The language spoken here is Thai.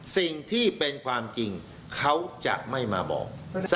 สิ่งที่เป็นความจริงเขาจะไม่มาบอก